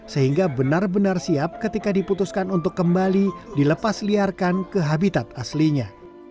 sehingga benar benar siap ketika diputuskan untuk kembali dilepas liarkan ke habitat aslinya